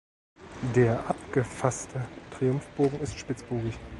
Der abgefaste Triumphbogen ist spitzbogig.